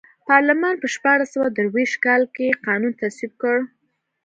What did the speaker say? پارلمان په شپاړس سوه درویشت کال کې قانون تصویب کړ.